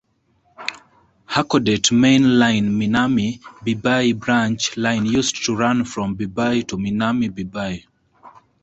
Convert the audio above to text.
Hakodate Main Line Minami-Bibai Branch Line used to run from Bibai to Minami-Bibai.